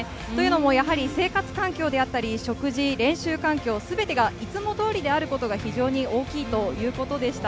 やはり生活環境であったり、食事、練習環境、すべてがいつも通りであることが非常に大きいということでした。